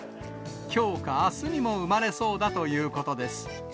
きょうかあすにも産まれそうだということです。